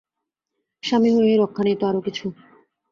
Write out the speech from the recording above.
স্বামী হয়েই রক্ষে নেই তো আরো কিছু!